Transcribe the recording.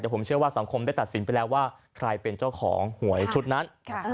แต่ผมเชื่อว่าสังคมได้ตัดสินไปแล้วว่าใครเป็นเจ้าของหวยชุดนั้น